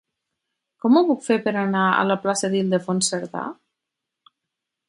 Com ho puc fer per anar a la plaça d'Ildefons Cerdà?